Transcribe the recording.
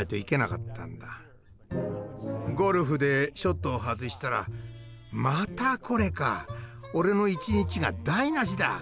ゴルフでショットを外したら「またこれか。俺の一日が台なしだ！